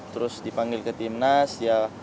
terus dipanggil ke timnas